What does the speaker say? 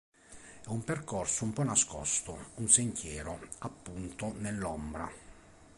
È un percorso un po' nascosto, un sentiero, appunto, "nell′ombra".